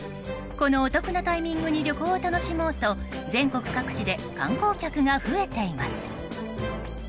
このお得なタイミングに旅行を楽しもうと全国各地で観光客が増えています。